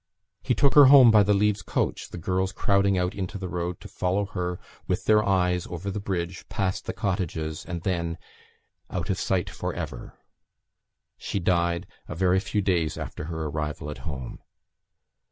He took her home by the Leeds coach, the girls crowding out into the road to follow her with their eyes over the bridge, past the cottages, and then out of sight for ever. She died a very few days after her arrival at home.